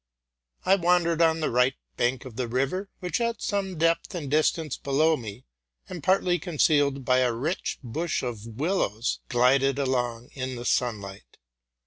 I wandered on the right bank of the river, which at some depth and distance below me, and partly concealed by a rich bush of willows, glided along in the sunlight.